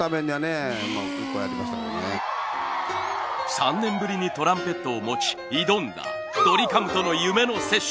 ３年ぶりにトランペットを持ち挑んだドリカムとの夢のセッション。